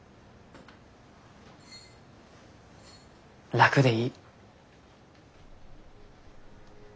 楽でいい。